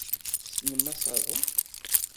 Tessnem asaḍuf.